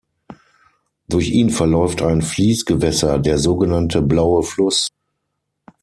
Durch ihn verläuft ein Fließgewässer, der sogenannte Blaue Fluss.